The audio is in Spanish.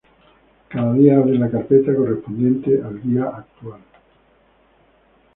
Cada día abres la carpeta correspondiente al día actual.